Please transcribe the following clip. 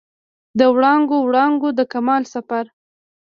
د وړانګو، وړانګو د کمال سفر